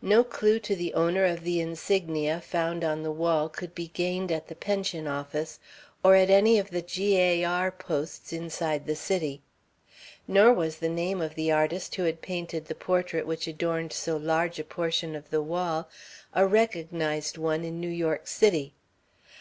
No clew to the owner of the insignia found on the wall could be gained at the pension office or at any of the G. A. R. posts inside the city. Nor was the name of the artist who had painted the portrait which adorned so large a portion of the wall a recognized one in New York City.